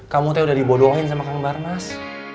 kamu tadi sudah dibodohin sama kang barnas